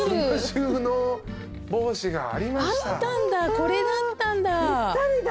これだったんだ。